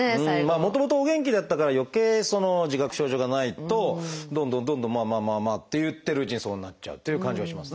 もともとお元気だったからよけいその自覚症状がないとどんどんどんどんまあまあまあまあって言ってるうちにそうなっちゃうという感じはしますね。